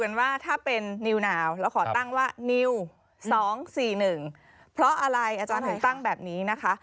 ค่ะแล้วเราก็มาดูกันว่า